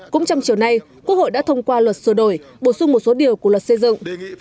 cũng trong chiều nay quốc hội đã thông qua luật sửa đổi bổ sung một số điều của luật xây dựng